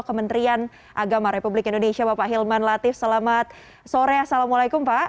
kementerian agama republik indonesia bapak hilman latif selamat sore assalamualaikum pak